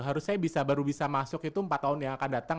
harusnya baru bisa masuk itu empat tahun yang akan datang